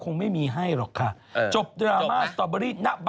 น่าบาทเรียกนานาวน์จอบเอาล่ะจบ